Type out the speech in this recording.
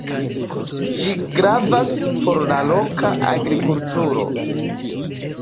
Ĝi gravas por la loka agrikulturo.